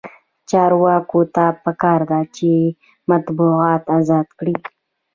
چارواکو ته پکار ده چې، مطبوعات ازاد کړي.